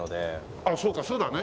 あらそうかそうだね。